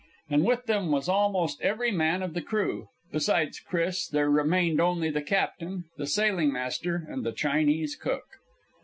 And with them was almost every man of the crew. Besides Chris, there remained only the captain, the sailing master and the Chinese cook.